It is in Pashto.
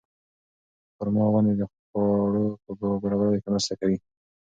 خورما ونې د خواړو په برابرولو کې مرسته کوي.